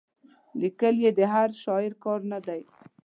لیکل یې د هر شاعر کار نه دی.